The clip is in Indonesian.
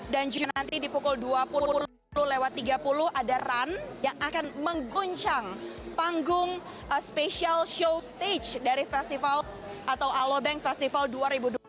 dan juga nanti di pukul dua puluh tiga puluh ada run yang akan mengguncang panggung special show stage dari festival atau aloe bank festival dua ribu dua puluh dua ini